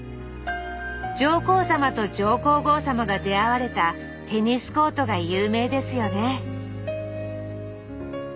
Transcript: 上皇さまと上皇后さまが出会われたテニスコートが有名ですよね